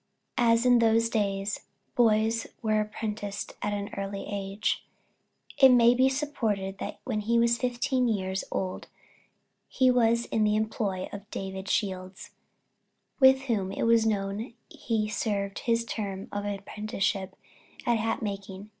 As in those days boys were apprenticed at an early age, it may be supposed that when he was fifteen years old he was in the employ of David Shields, with whom it is known he served his term of apprenticeship at hat making.